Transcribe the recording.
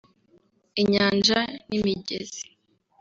inyanja n’imigezi